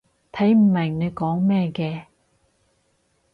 睇唔明你講咩嘅